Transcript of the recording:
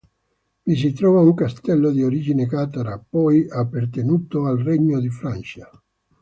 Vi si trova un castello di origine catara, poi appartenuto al regno di Francia